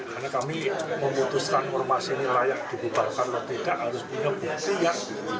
karena kami memutuskan ormas ini layak dibubarkan kalau tidak harus punya bukti yang